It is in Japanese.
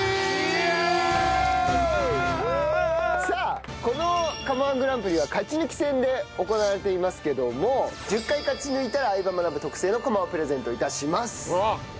さあこの釜−１グランプリは勝ち抜き戦で行われていますけども１０回勝ち抜いたら『相葉マナブ』特製の釜をプレゼント致します。